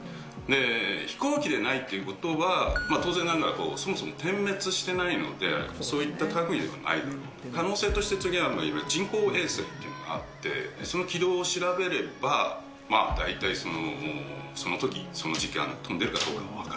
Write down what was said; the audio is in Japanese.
飛行機でないっていうことは、当然ながら、そもそも点滅してないので、そういった類ではないだろう、可能性として次にあるのは人工衛星というのがあって、その軌道を調べれば、まあ大体、そのときどの時間飛んでるかどうかも分かる。